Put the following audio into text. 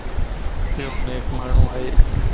ايو نيڪ ماڻھو ائي.